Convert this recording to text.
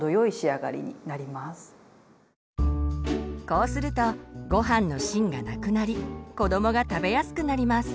こうするとごはんの芯がなくなり子どもが食べやすくなります。